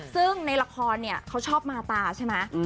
ซึ่งในละครเนี่ยเขาชอบมาตาใช่ไหม